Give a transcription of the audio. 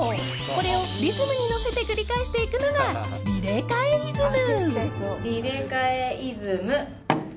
これをリズムに乗せて繰り返していくのがリレカエイズム。